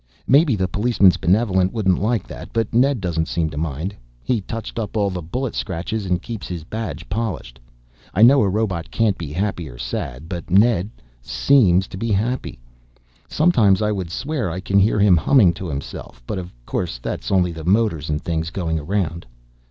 Maybe the Policeman's Benevolent wouldn't like that, but Ned doesn't seem to mind. He touched up all the bullet scratches and keeps his badge polished. I know a robot can't be happy or sad but Ned seems to be happy. Sometimes I would swear I can hear him humming to himself. But, of course, that is only the motors and things going around.